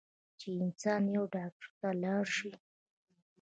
چې انسان يو ډاکټر له لاړشي